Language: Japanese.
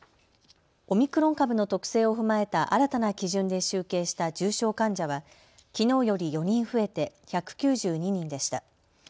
オミクロン株の特性を踏まえた新たな基準で集計した重症患者はきのうより４人増えて１９２人でした。